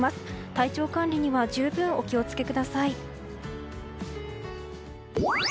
体調管理には十分お気を付けください。